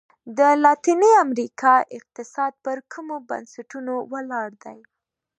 د لاتیني امریکا اقتصاد پر کومو بنسټونو ولاړ دی؟